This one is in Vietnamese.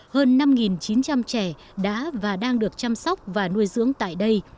hơn năm chín trăm linh trẻ đã và đang được chăm sóc và nuôi dưỡng tại đây